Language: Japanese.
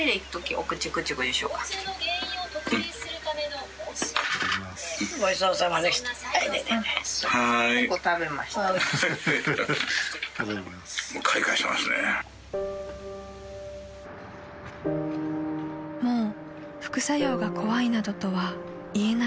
［もう副作用が怖いなどとは言えない状況でした］